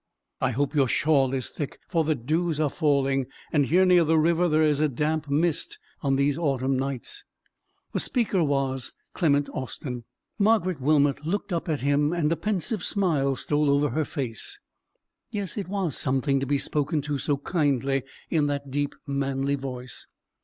I hope your shawl is thick, for the dews are falling, and here, near the river, there is a damp mist on these autumn nights." The speaker was Clement Austin. Margaret Wilmot looked up at him, and a pensive smile stole over her face. Yes, it was something to be spoken to so kindly in that deep manly voice.